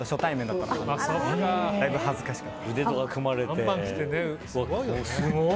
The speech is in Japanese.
だいぶ恥ずかしかったです。